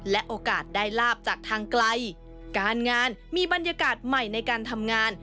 และโอกาสได้ลาบจากทางไกลการงานมีบรรยากาศใหม่ในการทำงาน